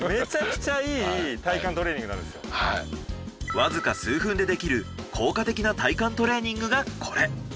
わずか数分でできる効果的な体幹トレーニングがこれ。